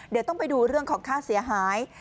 เดี๋ยวต้องไปดูเรื่องของค่าเสียหาย